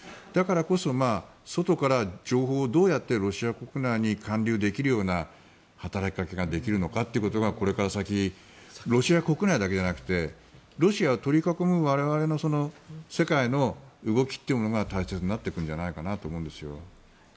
だからこそ、外から情報をどうやってロシア国内に還流できるような働きかけができるのかというのがこれから先ロシア国内だけじゃなくてロシアを取り囲む我々の世界の動きというものが大切になってくるんじゃないかなと思うんです。